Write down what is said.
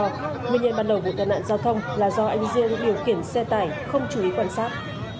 nguyên nhân bắt đầu vụ tàn nạn giao thông là do anh dương điều khiển xe tải không chú ý quan sát